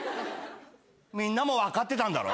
みんなも分かってたんだろ？